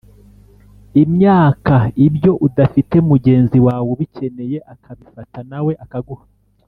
imyaka ibyo udafite mugenzi wawe ubikeneye akabifata na we akaguha